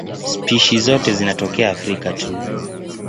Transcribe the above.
Spishi zote zinatokea Afrika tu.